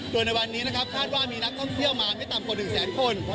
โดยในวันนี้นะครับคาดว่ามีนักท่องเที่ยวมาไม่ต่ำกว่า๑แสนคน